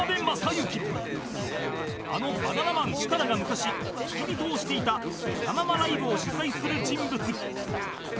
あのバナナマン設楽が昔付き人をしていたラ・ママライブを主催する人物